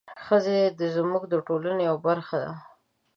ښځې زموږ د ټولنې یوه برخه ده.